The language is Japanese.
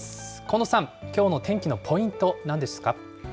近藤さん、きょうの天気のポイント、なんですか。